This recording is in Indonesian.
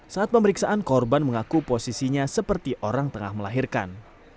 saat pemeriksaan korban mengaku posisinya seperti orang tengah melahirkan